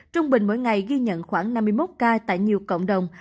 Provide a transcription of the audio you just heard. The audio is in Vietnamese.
trung bình mỗi ngày ghi nhận khoảng năm mươi một ca tại nhiều cộng đồng